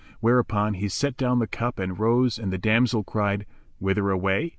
Whereupon he set down the cup and rose and the damsel cried, "Whither away?"